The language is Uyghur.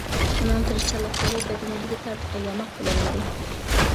ئۇنىڭ تىرىشچانلىقلىرى بەدىنىدىكى تارتۇققا ياماق بولالمىدى.